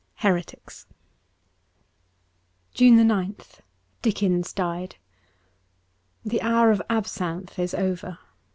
' Heretics J 177 JUNE 9th DICKENS DIED THE hour of absinthe is over.